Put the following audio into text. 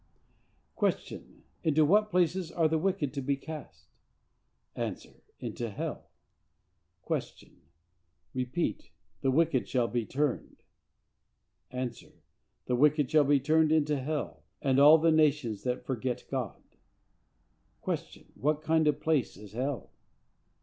Q. Into what place are the wicked to be cast?—A. Into hell. Q. Repeat "The wicked shall be turned."—A. "The wicked shall be turned into hell, and all the nations that forget God." Q. What kind of a place is hell?